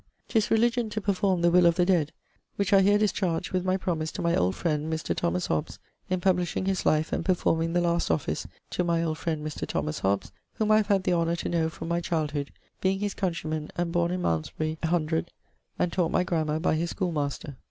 'Tis religion to performe the will of the dead; which I here dischardge, with my promise (1667) to my old friend Mr. T H, in publishing his life and performing the last office to my old friend Mr. Thomas Hobbes, whom I have had the honour to know my child hood, being his countreyman and borne in Malmesbury hundred and taught my grammar by his schoolmaster.